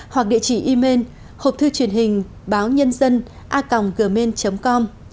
hoặc địa chỉ email hộp thư truyền hình báo nhân dân a gmain com